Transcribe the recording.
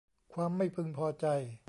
ความไม่พึงพอใจ